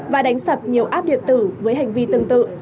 và đánh sập nhiều áp điệp tử với hành vi tương tự